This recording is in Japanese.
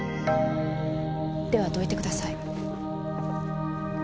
ではどいてください。